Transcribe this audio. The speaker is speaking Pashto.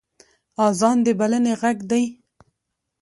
اذان د بلنې غږ دی